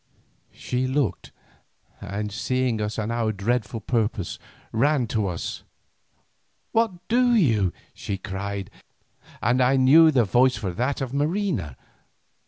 She looked, and seeing us and our dreadful purpose, ran to us. "What do you?" she cried, and I knew the voice for that of Marina.